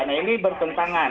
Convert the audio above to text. nah ini bertentangan